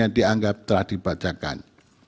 yang dianggap telah dibacakan